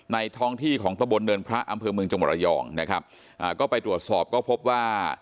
ท้องที่ของตะบนเนินพระอำเภอเมืองจังหวัดระยองนะครับอ่าก็ไปตรวจสอบก็พบว่า